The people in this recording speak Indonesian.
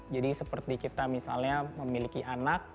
jadi seperti kita misalnya memiliki anak